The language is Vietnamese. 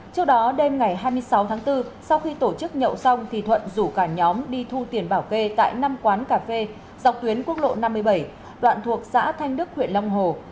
trước đó đêm ngày hai mươi sáu tháng bốn sau khi tổ chức nhậu xong thì thuận rủ cả nhóm đi thu tiền bảo kê tại năm quán cà phê dọc tuyến quốc lộ năm mươi bảy đoạn thuộc xã thanh đức huyện long hồ